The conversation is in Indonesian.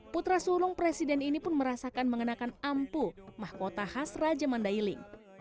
putra sulung presiden ini pun merasakan mengenakan ampu mahkota khas raja mandailing